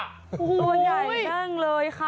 ตัวใหญ่นั่งเลยค่ะ